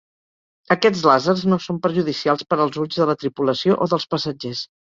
Aquests làsers no són perjudicials per als ulls de la tripulació o dels passatgers.